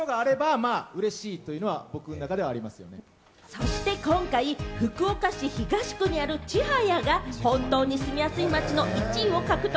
そして今回、福岡市東区にある千早が本当に住みやすい街の１位を獲得！